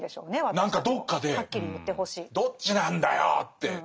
何かどっかでどっちなんだよって。